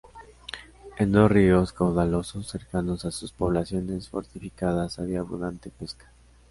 En dos ríos caudalosos cercanos a sus poblaciones fortificadas había abundante pesca.